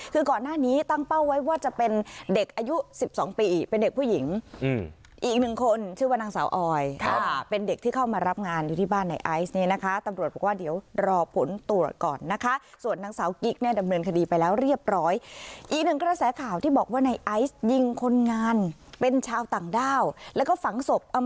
คือก่อนหน้านี้ตั้งเป้าไว้ว่าจะเป็นเด็กอายุ๑๒ปีเป็นเด็กผู้หญิงอีกหนึ่งคนชื่อว่านางสาวออยค่ะเป็นเด็กที่เข้ามารับงานอยู่ที่บ้านในไอซ์เนี่ยนะคะตำรวจบอกว่าเดี๋ยวรอผลตรวจก่อนนะคะส่วนนางสาวกิ๊กเนี่ยดำเนินคดีไปแล้วเรียบร้อยอีกหนึ่งกระแสข่าวที่บอกว่าในไอซ์ยิงคนงานเป็นชาวต่างด้าวแล้วก็ฝังศพอ